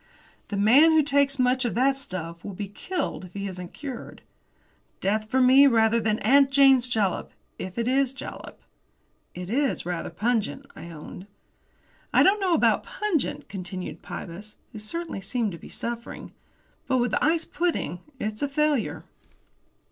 "The man who takes much of that stuff will be killed if he isn't cured. Death for me, rather than 'Aunt Jane's Jalap' if it is jalap." "It is rather pungent," I owned. "I don't know about pungent," continued Pybus, who certainly seemed to be suffering; "but with ice pudding it's a failure."